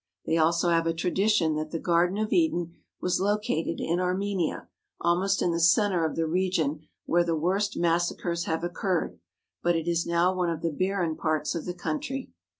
They also have a tradition that the Garden of Eden was located in Armenia, almost in the centre of the region where the worst massacres have occurred, but it is now one of the barren parts of the country.